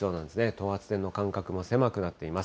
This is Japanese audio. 等圧線の間隔も狭くなっています。